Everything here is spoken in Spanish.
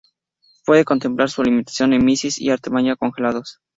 Puede complementar su alimentación con mysis y artemia congelados.